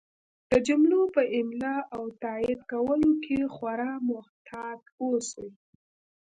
د جملو په املا او تایید کولو کې خورا محتاط اوسئ!